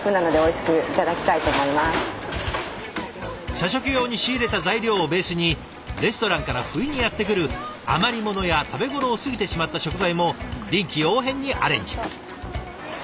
社食用に仕入れた材料をベースにレストランから不意にやって来る余り物や食べ頃を過ぎてしまった食材も臨機応変にアレンジ。